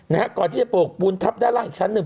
นะฮะก่อนที่จะโปรกปูนทับด้านล่างอีกชั้นหนึ่ง